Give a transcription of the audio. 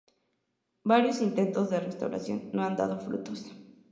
Variados intentos de restauración no han dado frutos.